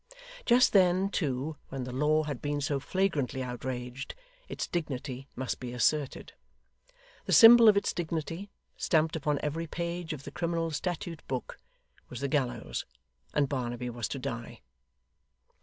Just then, too, when the law had been so flagrantly outraged, its dignity must be asserted. The symbol of its dignity, stamped upon every page of the criminal statute book, was the gallows; and Barnaby was to die.